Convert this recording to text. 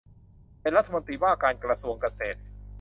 เป็นรัฐมนตรีว่าการกระทรวงเกษตร